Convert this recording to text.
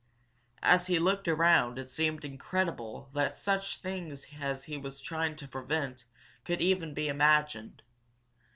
As he looked around it seemed incredible that such things as he was trying to prevent could even be imagined.